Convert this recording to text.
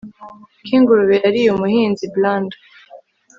ko ingurube yariye umuhinzi bland